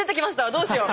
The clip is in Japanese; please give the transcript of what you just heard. どうしよう。